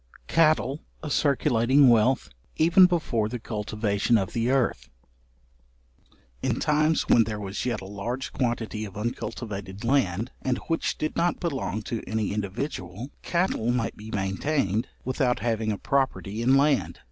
Cattle a circulating wealth, even before the cultivation of the earth. In times when there was yet a large quantity of uncultivated land, and which did not belong to any individual, cattle might be maintained without having a property in land.